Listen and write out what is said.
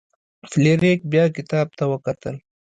فلیریک بیا کتاب ته وکتل.